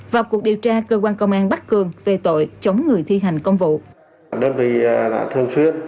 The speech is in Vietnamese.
vào cuộc điều tra cơ quan công an bắt cường về tội chống người thi hành công vụ